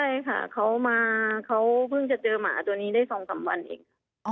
ใช่ค่ะเขาเพิ่งจะเจอหมาตัวนี้ได้๒๓วันเองค่ะ